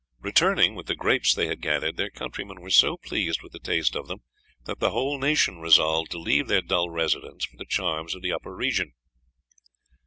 Returning with the grapes they had gathered, their countrymen were so pleased with the taste of them that the whole nation resolved to leave their dull residence for the charms of the upper region.